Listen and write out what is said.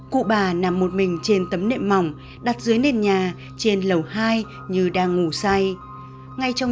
cụ bà nằm một mình trên tấm nệm mỏng đặt dưới nền nhà trên lầu hai như đang ngủ say